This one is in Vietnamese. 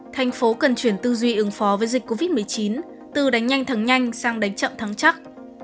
thành phố cần chuyển tư duy ứng phó với dịch covid một mươi chín từ đánh nhanh thắng nhanh sang đánh chậm thắng chắc